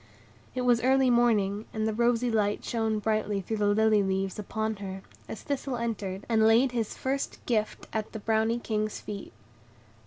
It was early morning, and the rosy light shone brightly through the lily leaves upon her, as Thistle entered, and laid his first gift at the Brownie King's feet.